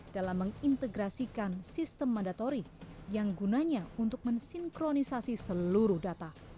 dalam mengintegrasikan sistem mandatori yang gunanya untuk mensinkronisasi seluruh data